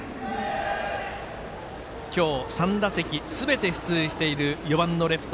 今日３打席すべて出塁している４番のレフト。